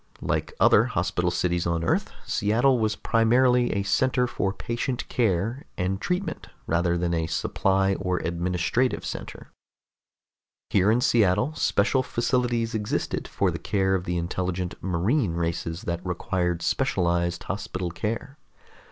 Like other hospital cities on Earth, Seattle was primarily a center for patient care and treatment rather than a supply or administrative center. Here in Seattle special facilities existed for the care of the intelligent marine races that required specialized hospital care.